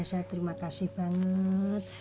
saya terima kasih banget